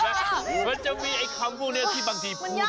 ได้มันจะมีคำพวกนี้ที่บางทีพูดยาก